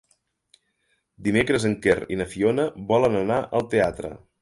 Dimecres en Quer i na Fiona volen anar al teatre.